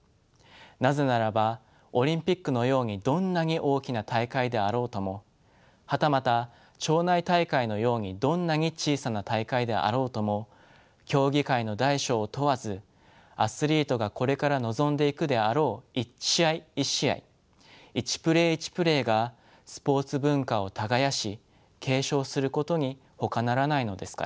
なぜならばオリンピックのようにどんなに大きな大会であろうともはたまた町内大会のようにどんなに小さな大会であろうとも競技会の大小を問わずアスリートがこれから臨んでいくであろう一試合一試合一プレー一プレーがスポーツ文化を耕し継承することにほかならないのですから。